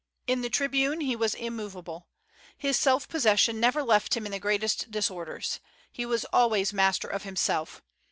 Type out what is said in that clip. In the tribune he was immovable. His self possession never left him in the greatest disorders. He was always master of himself.